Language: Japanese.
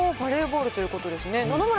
バレーボールということですね。